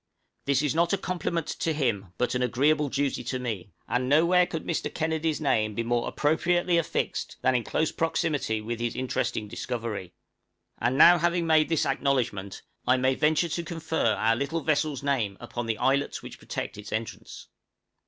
This is not a compliment to him, but an agreeable duty to me, and nowhere could Mr. Kennedy's name be more appropriately affixed than in close proximity with his interesting discovery. And now having made this acknowledgment, I may venture to confer our little vessel's name upon the islets which protect its entrance.